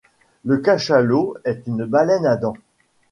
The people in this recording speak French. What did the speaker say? Le cachalot est une baleine à dents